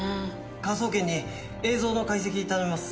科捜研に映像の解析頼みます。